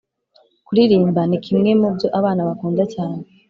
kuririmba ni kimwe mu byo abana bakunda cyane,